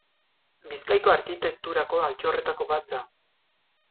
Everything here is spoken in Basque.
Bizkaiko arkitekturako altxorretako bat da.